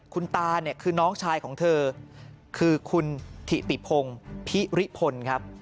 คุณตาเนี่ยคือน้องชายของเธอคือคุณถิติพงศ์พิริพลครับ